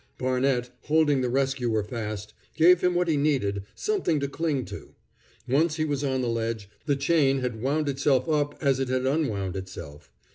Barnett, holding the rescuer fast, gave him what he needed something to cling to. Once he was on the ledge, the chain wound itself up as it had unwound itself.